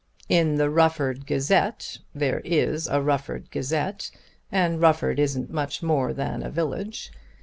"In the Rufford Gazette. There is a Rufford Gazette, and Rufford isn't much more than a village.